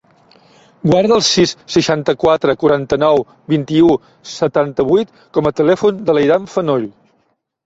Guarda el sis, seixanta-quatre, quaranta-nou, vint-i-u, setanta-vuit com a telèfon de l'Eidan Fenoll.